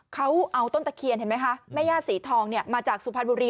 เขาเอาต้นตะเคียนเห็นไหมคะแม่ย่าสีทองมาจากสุพรรณบุรี